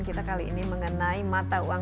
kita kali ini mengenai mata uang